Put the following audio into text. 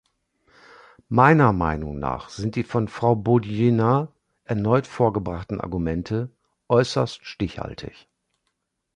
Meiner Meinung nach sind die von Frau Boudjenah erneut vorgebrachten Argumente äußerst stichhaltig.